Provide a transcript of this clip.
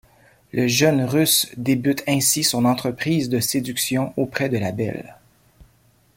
Le jeune Russe débute ainsi son entreprise de séduction auprès de la belle.